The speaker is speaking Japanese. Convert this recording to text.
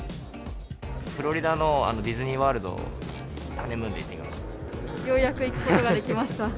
フロリダのディズニーワールドに、ようやく行くことができました。